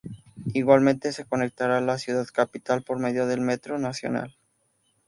Igualmente se conectará a la ciudad capital por medio del metro nacional.